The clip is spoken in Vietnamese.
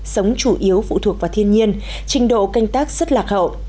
sống chủ yếu phụ thuộc vào thiên nhiên trình độ canh tác rất lạc hậu